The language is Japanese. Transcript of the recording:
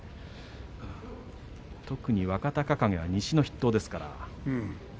特に若隆景は西の筆頭です。